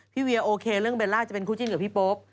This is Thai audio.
เวียโอเคเรื่องเบลล่าจะเป็นคู่จิ้นกับพี่โป๊ป